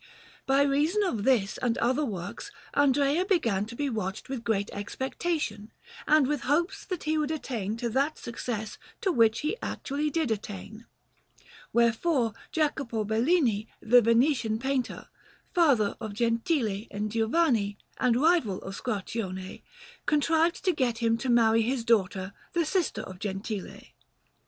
By reason of this and other works Andrea began to be watched with great expectation, and with hopes that he would attain to that success to which he actually did attain; wherefore Jacopo Bellini, the Venetian painter, father of Gentile and Giovanni, and rival of Squarcione, contrived to get him to marry his daughter, the sister of Gentile.